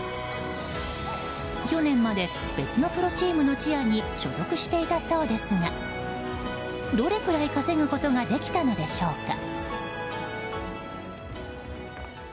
去年まで別のプロチームのチアに所属していたそうですがどれぐらい稼ぐことができたのでしょうか。